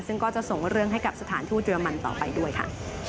ซึ่งก็จะส่งเรื่องให้กับสถานทูตเยอรมันต่อไปด้วยค่ะ